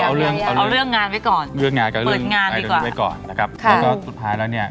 เอาเรื่องเอาเรื่องงานไว้ก่อนเปิดงานดีกว่าแล้วก็สุดท้ายแล้วเนี่ย